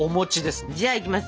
じゃあいきます。